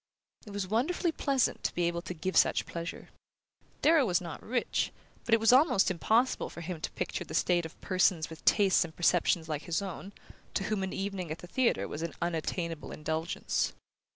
It was wonderfully pleasant to be able to give such pleasure. Darrow was not rich, but it was almost impossible for him to picture the state of persons with tastes and perceptions like his own, to whom an evening at the theatre was an unattainable indulgence.